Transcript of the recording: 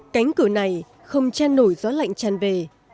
cánh cửa này không chen nổi gió lạnh tràn về